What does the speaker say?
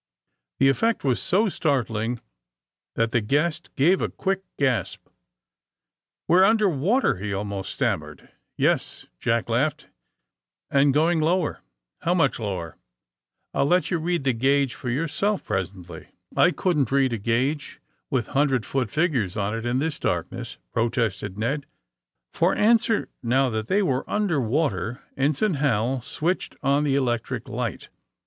The effect was so startling that the guest gave a quick gasp. *^ We 're under water I " he almost stammered. *'Yes/' Jack langhed, '*and going lower." *^How mnch lower?" ^^ I '11 let yon read the gange for yourself pres ently." ^'I couldn't read a gauge with hundred foot figures on it in this darkness," protested Ned. For answer, now that they were under water, Ensign Hal switched on the electric light.